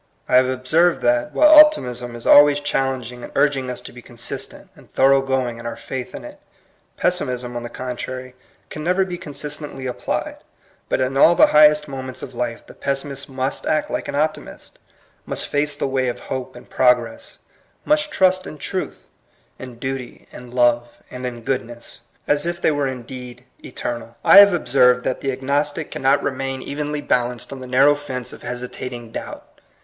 I have observed that, while optimism is always challenging and urging us to be consis tent and thorough going in our faith in it, pessimism, on the contrary, can never be consistently applied; but in all the high est moments of life the pessimist must act like an optimist, must face the way of hope and progress, must trust in truth, in duty, in love, and in goodness, as if they were indeed eternal. I have ob served that the agnostic cannot remain vi INTBODUCTION. evenly balanced on the narrow fence of hesitating doubt.